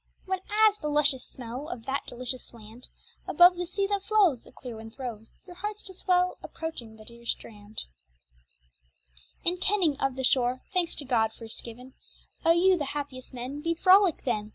When as the luscious smell Of that delicious land, Above the seas that flows, The clear wind throws, Your hearts to swell Approaching the dear strand; In kenning of the shore (Thanks to God first given) O you the happiest men, Be frolic then!